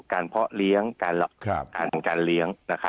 เพาะเลี้ยงการเลี้ยง